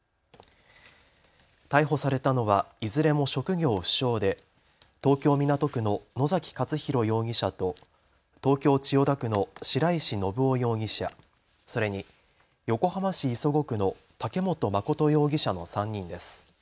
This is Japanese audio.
逮捕されたのはいずれも職業不詳で東京港区の野崎勝弘容疑者と東京千代田区の白石伸生容疑者、それに横浜市磯子区の竹本誠容疑者の３人です。